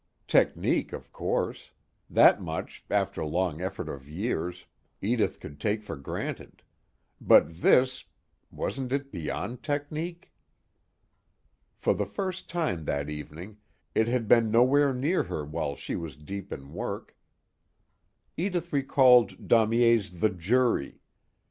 Technique of course; that much, after long effort of years, Edith could take for granted. But this wasn't it beyond technique? For the first time that evening it had been nowhere near her while she was deep in work Edith recalled Daumier's "The Jury."